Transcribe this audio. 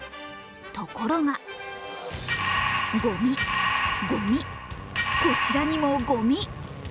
ところがごみ、ごみ、こちらにもごみ。